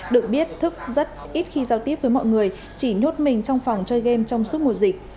được biết thức rất ít khi giao tiếp với mọi người chỉ nhốt mình trong phòng chơi game trong suốt mùa dịch